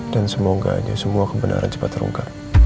dan semoga aja semua kebenaran cepat terungkap